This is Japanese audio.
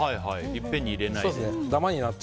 いっぺんに入れないで。